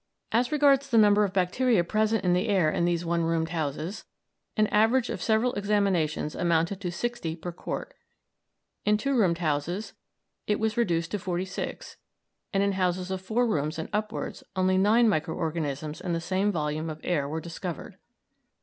As regards the number of bacteria present in the air in these one roomed houses, an average of several examinations amounted to sixty per quart; in two roomed houses it was reduced to forty six, and in houses of four rooms and upwards only nine micro organisms in the same volume of air were discovered.